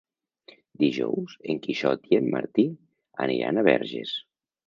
Dijous en Quixot i en Martí aniran a Verges.